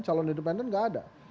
calon independen gak ada